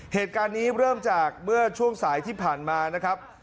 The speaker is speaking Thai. เหตุการณ์นี้เริ่มจากเมื่อช่วงสายที่ผ่านมานะครับ